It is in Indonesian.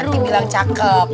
nanti bilang cakep